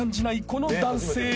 この男性］